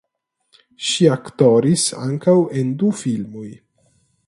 Ŝi aktoris ankaŭ en du filmoj.